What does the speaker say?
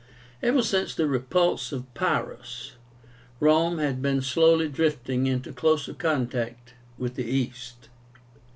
Ever since the repulse of Pyrrhus, Rome had been slowly drifting into closer contact with the East.